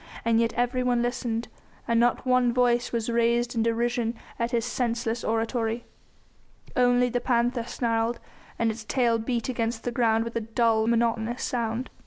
And yet everyone listened, and not one voice was raised in derision at his senseless oratory. Only the panther snarled, and its tail beat against the ground with a dull, monotonous sound.